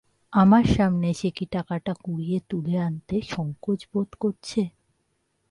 আমার সামনে সে কি টাকাটা কুড়িয়ে তুলে আনতে সংকোচ বোধ করছে?